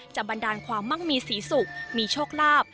บันดาลความมั่งมีศรีสุขมีโชคลาภ